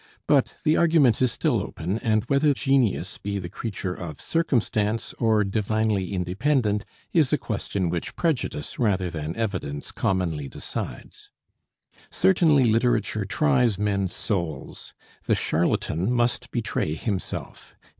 But the argument is still open; and whether genius be the creature of circumstance or divinely independent, is a question which prejudice rather than evidence commonly decides. Certainly literature tries men's souls. The charlatan must betray himself.